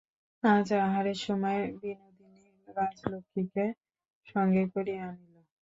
আজ আহারের সময় বিনোদিনী রাজলক্ষ্মীকে সঙ্গে করিয়া আনিল।